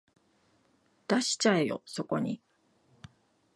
出しちゃえよそこに